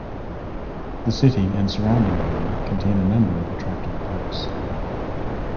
The city and surrounding area contain a number of attractive parks.